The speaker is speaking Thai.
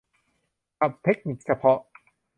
ศัพท์เทคนิคเฉพาะ